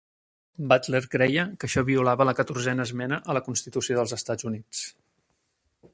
Butler creia que això violava la Catorzena Esmena a la Constitució dels Estats Units.